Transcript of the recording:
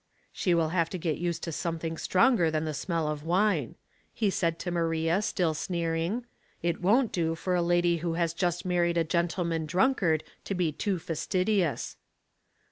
"She will have to get used to something stronger than the smell of wine,'* he said to Maria, still sneering. " It won't do for a lady who has just married a gentleman drunkard to be too fastidious."